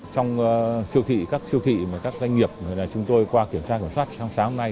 trong các siêu thị các doanh nghiệp chúng tôi qua kiểm tra kiểm soát sáng sáng hôm nay